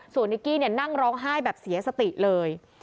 ส่วนนิกกี้นั่งร้องไห้แบบเสียสติเลย